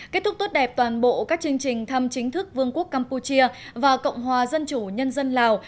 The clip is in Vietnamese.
kết thúc tốt đẹp toàn bộ các chương trình thăm chính thức vương quốc campuchia và cộng hòa dân chủ nhân dân lào